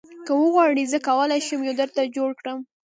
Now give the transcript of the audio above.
که وغواړې زه کولی شم یو درته جوړ کړم